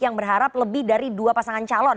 yang berharap lebih dari dua pasangan calon